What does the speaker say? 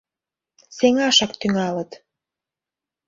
Сеҥашак тӱҥалыт.